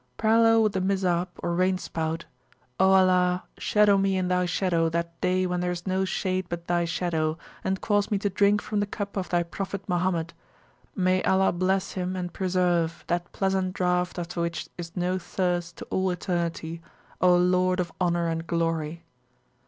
Parallel with the Mizab, or rain spout: O Allah, shadow me in Thy Shadow that day when there is no shade but Thy Shadow, and cause me to drink from the Cup of Thy Prophet Mohammedmay Allah bless Him and preserve!that pleasant Draught after which is no thirst to all eternity, O Lord of Honour and Glory!